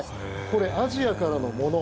これ、アジアからのもの